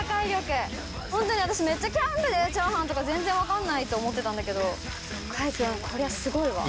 ホントに私めっちゃキャンプで炒飯とか全然分かんないと思ってたんだけど開くんこりゃすごいわ。